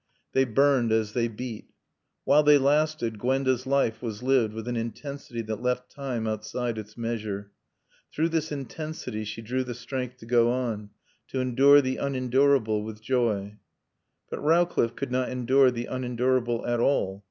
They burned as they beat. While they lasted Gwenda's life was lived with an intensity that left time outside its measure. Through this intensity she drew the strength to go on, to endure the unendurable with joy. But Rowcliffe could not endure the unendurable at all.